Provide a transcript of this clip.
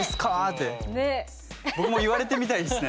僕も言われてみたいですね。